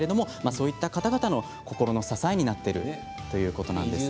そういった方々の心の支えになっているということなんです。